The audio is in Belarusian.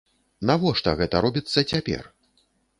Навошта гэта робіцца цяпер?